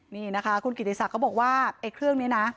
นี่คุณกิจิสักก็บอกว่าเครื่องนี้